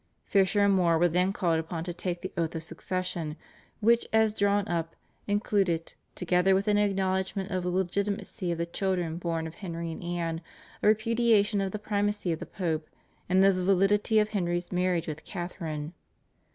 Fisher and More were then called upon to take the oath of succession, which, as drawn up, included, together with an acknowledgement of the legitimacy of the children born of Henry and Anne, a repudiation of the primacy of the Pope, and of the validity of Henry's marriage with Catharine.